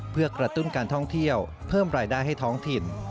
เพื่อกระตุ้นการท่องเที่ยวเพิ่มรายได้ให้ท้องถิ่น